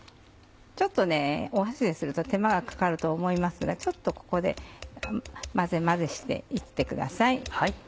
ちょっと箸ですると手間がかかると思いますがちょっとここで混ぜ混ぜして行ってください。